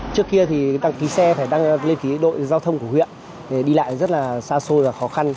trước kia thì đăng ký xe phải đăng lên ký đội giao thông của huyện đi lại rất là xa xôi và khó khăn